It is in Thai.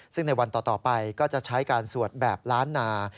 ซึ่งในวันต่อไปก็จะใช้การสวดแบบล้านนา